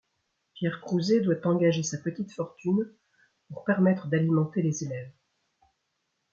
Pierre Crouzet doit engager sa petite fortune pour permettre d'alimenter les élèves.